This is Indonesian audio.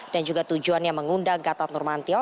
dan juga tujuannya mengundang gatot nurmantia